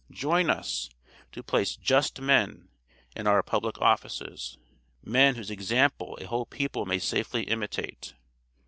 Join us, to place "just men" in all our public offices; men whose example a whole people may safely imitate.